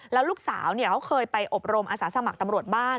แล้วลูกสาวเขาเคยไปอบรมอาสาสมัครตำรวจบ้าน